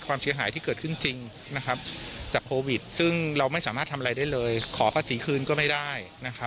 โววิดซึ่งเราไม่สามารถทำอะไรได้เลยขอภาษีคืนก็ไม่ได้